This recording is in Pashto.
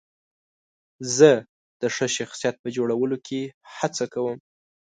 زه د ښه شخصیت په جوړولو کې هڅه کوم.